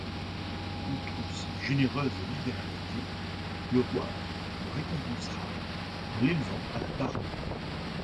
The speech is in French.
Outre ses généreuses libéralités, le roi le récompensera en l'élevant à la baronnie.